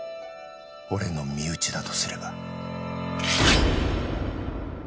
俺の身内だとすれば